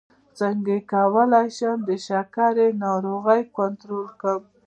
څنګه کولی شم د شکر ناروغي کنټرول کړم